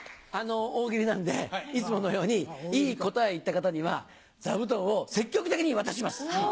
大喜利なんでいつものようにいい答えを言った方には座布団を積極的に渡します。